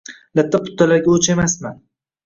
Latta-puttalarga oʻch emasman.